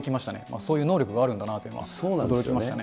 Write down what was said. そういう能力があるんだなと驚きましたね。